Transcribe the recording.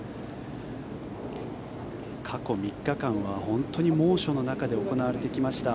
過去３日間は本当に猛暑の中で行われてきました。